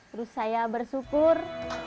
terus saya bersyukur